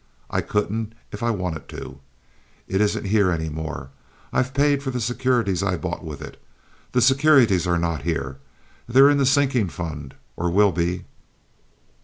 I couldn't if I wanted to. It isn't here any more. I've paid for the securities I bought with it. The securities are not here. They're in the sinking fund, or will be."